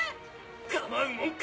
構うもんか！